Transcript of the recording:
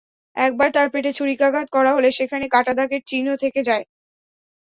একবার তাঁর পেটে ছুরিকাঘাত করা হলে সেখানে কাটা দাগের চিহ্ন থেকে যায়।